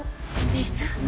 水？